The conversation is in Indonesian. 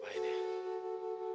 dia lagi diapain ya